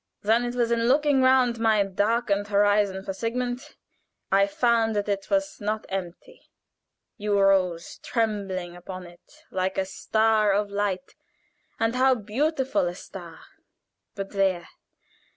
"Then it was in looking round my darkened horizon for Sigmund, I found that it was not empty. You rose trembling upon it like a star of light, and how beautiful a star! But there!